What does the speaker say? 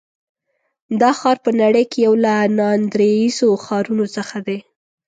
دا ښار په نړۍ کې یو له ناندرییزو ښارونو څخه دی.